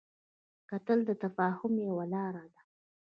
کتل د تفاهم یوه لاره ده